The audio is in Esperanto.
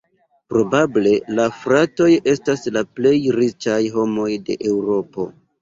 Probable la fratoj estas la plej riĉaj homoj de Eŭropo.